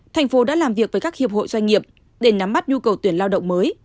thành phố đã làm việc với các hiệp hội doanh nghiệp để nắm mắt nhu cầu tuyển lao động mới